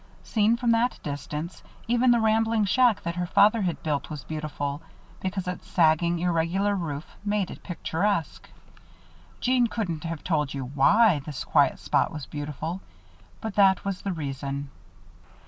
Seen from that distance, even the rambling shack that her father had built was beautiful, because its sagging, irregular roof made it picturesque. Jeanne couldn't have told you why this quiet spot was beautiful, but that was the reason.